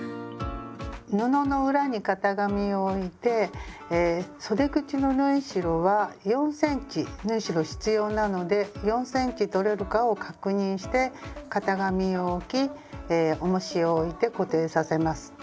布の裏に型紙を置いてそで口の縫い代は４ｃｍ縫い代必要なので４ｃｍとれるかを確認して型紙を置きおもしを置いて固定させます。